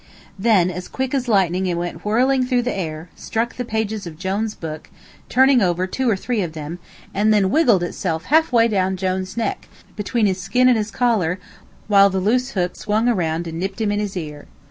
Then as quick as lightning it went whirling through the air, struck the pages of Jone's book, turning over two or three of them, and then wiggled itself half way down Jone's neck, between his skin and his collar, while the loose hook swung around and nipped him in his ear.